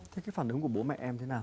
thì cái phản ứng của bố mẹ em thế nào